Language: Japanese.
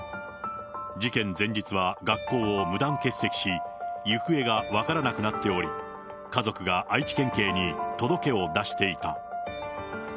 事件前日は学校を無断欠席し、行方が分からなくなっており、家族が愛知県警に届けを出していた。